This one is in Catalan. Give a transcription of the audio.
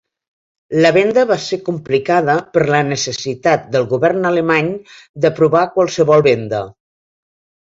La venda va ser complicada per la necessitat del govern alemany d'aprovar qualsevol venda.